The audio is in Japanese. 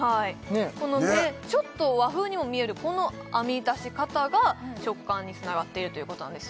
このちょっと和風にも見えるこの編みだし方が食感につながっているということなんです